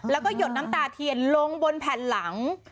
แล้วก็หยดน้ำตาเทียนลงบนแผ่นหลัง